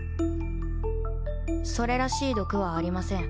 それらしい毒はありません。